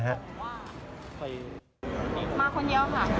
มาคนเดียวค่ะ